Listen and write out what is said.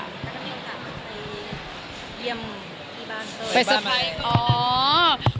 แล้วก็มีโฆษณาไปเยี่ยมที่บ้านเต้ย